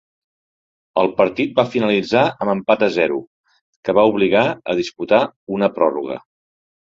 El partit va finalitzar amb empat a zero, que va obligar a disputar una pròrroga.